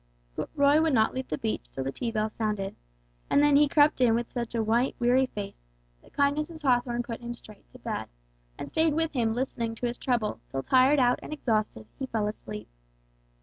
But Roy would not leave the beach till the tea bell sounded, and then he crept in with such a white, weary face that kind Mrs. Hawthorn put him straight to bed, and stayed with him listening to his trouble till tired out and exhausted he fell asleep.